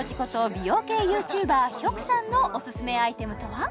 美容系ＹｏｕＴｕｂｅｒヒョクさんのおすすめアイテムとは？